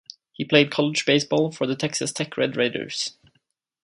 He played college baseball for the Texas Tech Red Raiders.